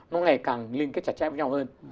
nó ngày càng liên kết chặt chẽ với nhau hơn